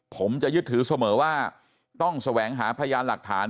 ผมจะยึดถือเสมอว่าต้องแสวงหาพยานหลักฐาน